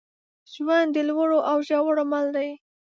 ژوند د لوړو او ژورو مل دی.